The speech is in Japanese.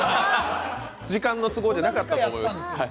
時間の都合じゃなかったと思います。